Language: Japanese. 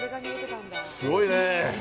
すごいね。